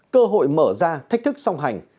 cơ hội mở ra thách thức song hành